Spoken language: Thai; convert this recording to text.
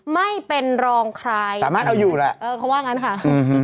ไม่เป็นลองคลายสามารถเอาอยู่ล่ะเออเขาว่างั้นค่ะอือฮือ